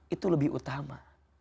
itu lebih utama